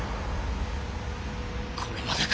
これまでか。